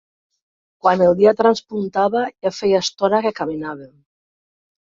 Quan el dia traspuntava ja feia estona que caminàvem.